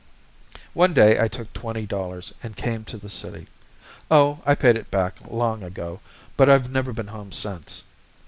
One day I took twenty dollars and came to the city. Oh, I paid it back long ago, but I've never been home since.